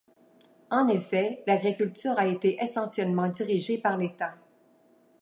En effet, l’agriculture a été essentiellement dirigée par l’État.